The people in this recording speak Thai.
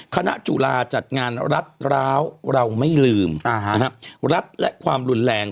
คณะจุฬาจัดงานรัฐร้าวเราไม่ลืมอ่าฮะนะฮะรัฐและความหลุนแรง